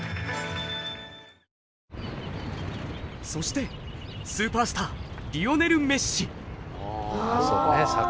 そしてスーパースターリオネル・メッシ！